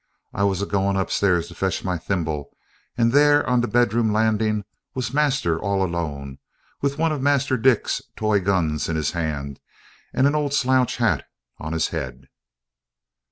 I was a goin' upstairs to fetch my thimble, and there, on the bedroom landin', was master all alone, with one of Master Dick's toy guns in his 'and, and a old slouch 'at on his head.